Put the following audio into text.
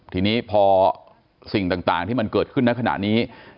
ทีนี้พอสิ่งต่างที่มันเกิดขึ้นในขณะนี้